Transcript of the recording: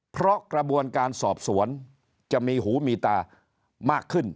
เพราะกระบวนการสอบสวนจะมีหูมีตามากขึ้น